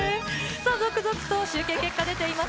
さあ、続々と集計結果出ています。